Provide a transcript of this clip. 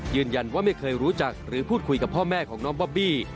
ไม่เคยรู้จักหรือพูดคุยกับพ่อแม่ของน้องบอบบี้